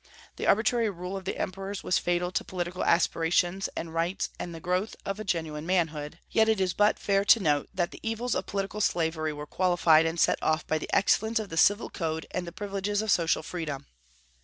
The arbitrary rule of the emperors was fatal to political aspirations and rights and the growth of a genuine manhood; yet it is but fair to note that the evils of political slavery were qualified and set off by the excellence of the civil code and the privileges of social freedom.